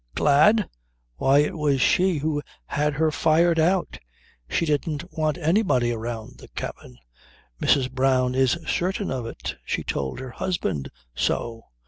glad! Why it was she who had her fired out. She didn't want anybody around the cabin. Mrs. Brown is certain of it. She told her husband so.